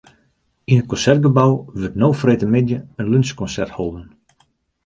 Yn it Konsertgebou wurdt no freedtemiddei in lunsjkonsert holden.